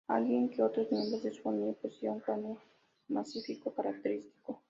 Al igual que otros miembros de su familia, poseía un cráneo macizo característico.